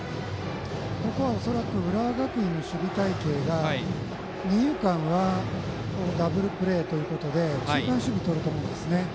ここは恐らく浦和学院の守備隊形が二遊間はダブルプレーということで中間守備をとるところですね。